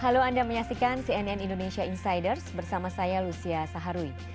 halo anda menyaksikan cnn indonesia insiders bersama saya lucia saharwi